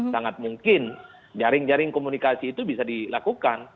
sangat mungkin jaring jaring komunikasi itu bisa dilakukan